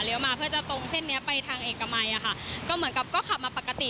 มาเพื่อจะตรงเส้นเนี้ยไปทางเอกมัยอะค่ะก็เหมือนกับก็ขับมาปกติ